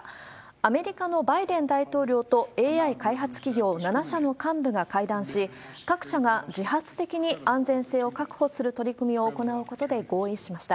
アメリカのバイデン大統領とＡＩ開発企業７社の幹部が会談し、各社が自発的に安全性を確保する取り組みを行うことで合意しました。